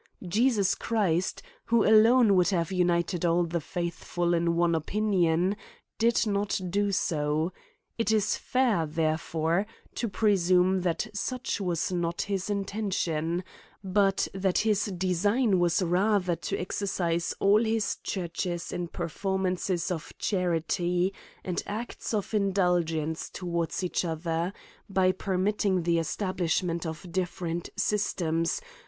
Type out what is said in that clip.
Jesus Christ, who alone could have united all the faith ful in one opinion, did not do so ; it is fair, there fore, to presume, that such was not his intention ; but, that his design was rather to exercise all his churches in performances of charity, and acts of indulgence towards each other, by permitting the establishment of different systems.